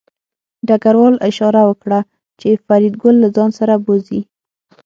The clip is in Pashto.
ډګروال اشاره وکړه چې فریدګل له ځان سره بوځي